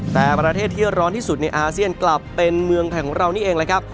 แต่ประเทศที่ร้อนที่สุดในอาเซียนกลับเป็นเมืองไทยของเรานี่เองเลยครับ